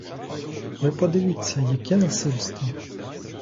Ви подивіться, яке насильство!